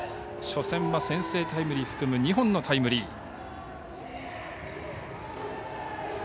初戦は先制タイムリー含む２本のタイムリー。